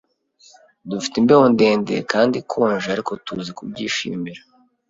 Dufite imbeho ndende kandi ikonje, ariko tuzi kubyishimira.